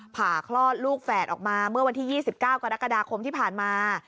ผ่าคลอดลูกแฝดออกมาเมื่อวันที่๒๙กรกฎาคมที่ผ่านมา